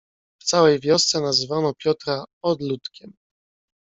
"W całej wiosce nazywano Piotra odludkiem."